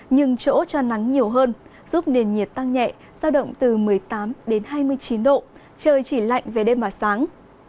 nhưng chỗ cho nắng nhiều hơn giúp nền nhiệt tăng nhẹ giao động từ một mươi tám đến hai mươi chín độ trời chỉ lạnh về đêm và sáng